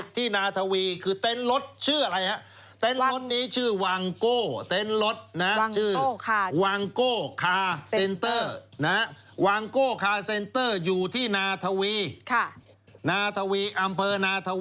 ที่นาทวีคือเต็นรถชื่ออะไรครับเต็นรถนี้ช่วยวังโกท์เต็นรถชื่อวังโกะซินเตอร์